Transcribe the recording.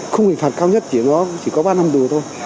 khung hình phạt cao nhất chỉ có ba năm tù thôi